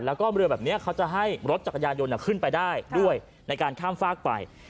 แล้วก็เรือแบบนี้เขาจะให้รถจักรยานยนต์ขึ้นไปได้ด้วยในการข้ามฝากไป